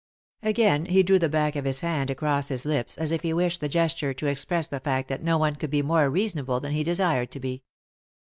Again he drew the back of bis hand across his lips, as if he wished the gesture to express the fact that no one could be more reasonable than he desired to be.